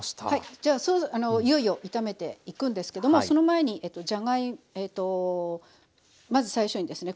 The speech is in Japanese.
じゃあいよいよ炒めていくんですけどもその前にえっとじゃがえっとまず最初にですね